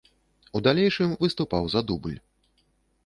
У далейшым выступаў за дубль.